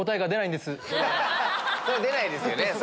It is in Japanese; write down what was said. そりゃ出ないですよね。